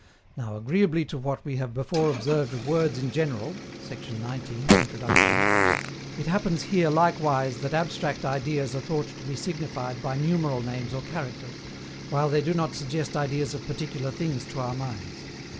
Now, agreeably to what we have before observed of words in general (sect. 19, Introd.) it happens here likewise that abstract ideas are thought to be signified by numeral names or characters, while they do not suggest ideas of particular things to our minds.